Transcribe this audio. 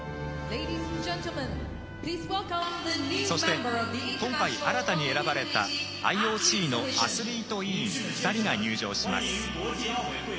そして今回、新たに選ばれたＩＯＣのアスリート委員２人が入場します。